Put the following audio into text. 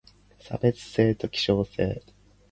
差別性と希少性